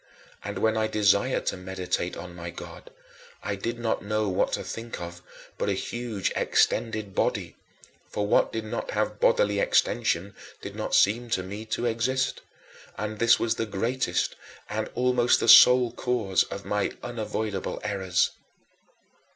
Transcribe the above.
And when I desired to meditate on my God, I did not know what to think of but a huge extended body for what did not have bodily extension did not seem to me to exist and this was the greatest and almost the sole cause of my unavoidable errors.